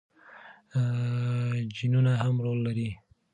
جینونه هم رول لري.